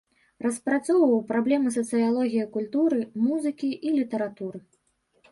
Распрацоўваў праблемы сацыялогіі культуры, музыкі і літаратуры.